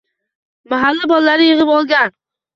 Mahalla bolalarini yig’ib olgan